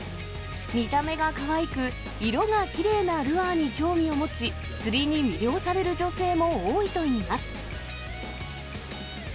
見た目がかわいく、色がきれいなルアーに興味を持ち、釣りに魅了される女性も多いといいます。